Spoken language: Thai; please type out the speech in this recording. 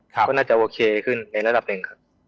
ก็น่าจะโอเคขึ้นในระดับหนึ่งครับ